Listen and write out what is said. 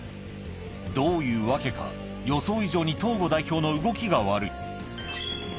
どういうわけか予想以上にトーゴ代表の動きが悪い